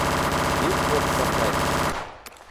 Ведь вот пахать.